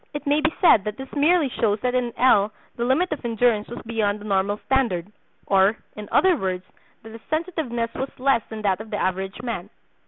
It may be said that this merely shows that in L. the limit of endurance was beyond the normal standard; or, in other words, that his sensitiveness was less than that of the average man.